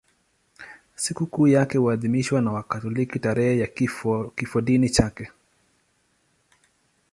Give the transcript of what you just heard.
Sikukuu yake huadhimishwa na Wakatoliki tarehe ya kifodini chake.